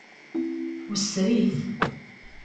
Wessrit.